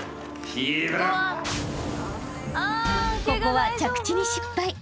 ［ここは着地に失敗。